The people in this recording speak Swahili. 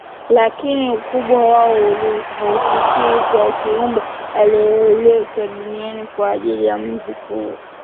Lakini ukubwa wao hauufikii wa kiumbe alieletwa duniani kwa ajili ya mziki huo